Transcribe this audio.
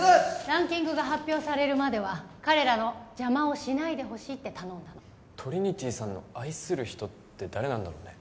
ランキングが発表されるまでは彼らの邪魔をしないでほしいって頼んだのトリニティさんの愛する人って誰なんだろうね？